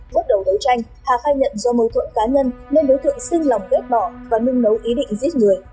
bước đầu đấu tranh hà khai nhận do mối thuận cá nhân nên đối tượng xin lòng ghép bỏ và nâng nấu ý định giết người